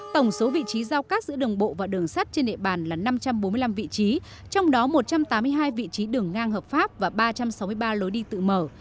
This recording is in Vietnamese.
tổng số vị trí giao cắt giữa đường bộ và đường sắt trên địa bàn là năm trăm bốn mươi năm vị trí trong đó một trăm tám mươi hai vị trí đường ngang hợp pháp và ba trăm sáu mươi ba lối đi tự mở